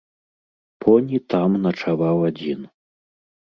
Поні там начаваў адзін.